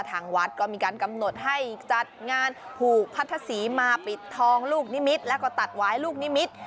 ทางวัดก็มีการกำหนดให้จัดงานผูกพัทธศรีมาปิดทองลูกนิมิตรแล้วก็ตัดวายลูกนิมิตร